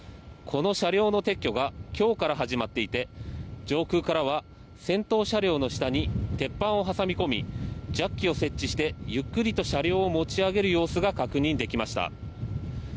車両の撤去はきょうから始まっていて上空からは先頭車両の下に鉄板を挟み込みジャッキを設置してゆっくりと車両を持ち上げる様子が確認できました。